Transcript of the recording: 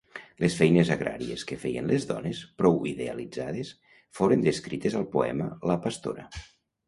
Les feines agràries que feien les dones, prou idealitzades, foren descrites al poema La pastora.